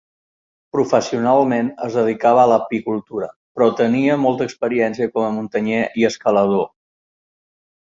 Professionalment es dedicava a l'apicultura, però tenia molta experiència com a muntanyer i escalador.